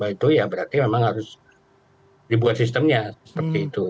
itu ya berarti memang harus dibuat sistemnya seperti itu